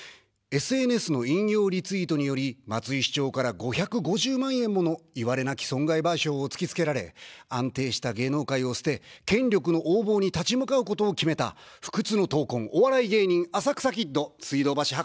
ＳＮＳの引用リツイートにより、松井市長から５５０万円ものいわれなき損害賠償を突きつけられ、安定した芸能界を捨て、権力の横暴に立ち向かうことを決めた、不屈の闘魂、お笑い芸人、浅草キッド、水道橋博士です。